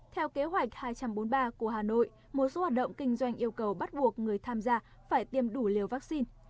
theo kế hoạch hai trăm bốn mươi ba của hà nội một số hoạt động kinh doanh yêu cầu bắt buộc người tham gia phải tiêm đủ liều vaccine